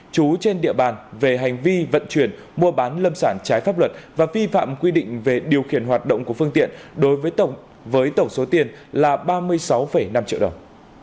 trú trên địa bàn về hành vi vận chuyển mua bán lâm sản trái pháp luật và vi phạm quy định về điều khiển hoạt động của phương tiện đối với tổng số tiền là ba mươi sáu năm triệu đồng